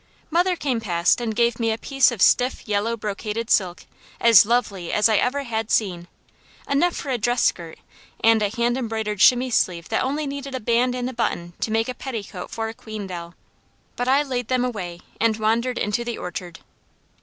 Mother came past and gave me a piece of stiff yellow brocaded silk as lovely as I ever had seen, enough for a dress skirt; and a hand embroidered chemise sleeve that only needed a band and a button to make a petticoat for a Queen doll, but I laid them away and wandered into the orchard.